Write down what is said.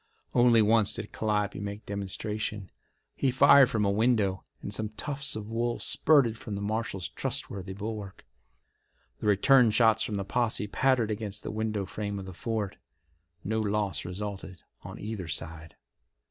Only once did Calliope make demonstration. He fired from a window, and some tufts of wool spurted from the marshal's trustworthy bulwark. The return shots from the posse pattered against the window frame of the fort. No loss resulted on either side.